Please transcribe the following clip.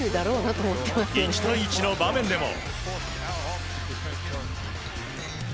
１対１の場面でも。